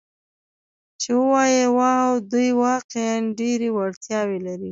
چې ووایي: 'واو، دوی واقعاً ډېرې وړتیاوې لري.